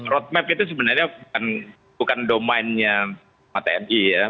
roadmap itu sebenarnya bukan domainnya tni ya